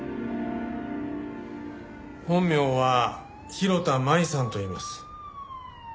本名は広田舞さんといいます。